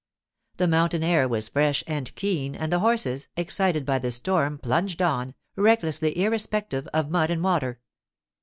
The mountain air was fresh and keen, and the horses, excited by the storm, plunged on, recklessly irrespective of mud and water.